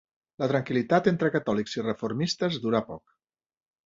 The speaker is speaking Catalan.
La tranquil·litat entre catòlics i reformistes dura poc.